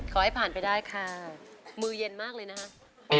ขอให้ผ่านไปได้ค่ะมือเย็นมากเลยนะคะ